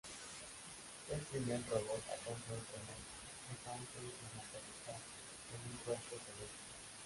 Fue el primer robot a control remoto errante en aterrizar en un cuerpo celeste.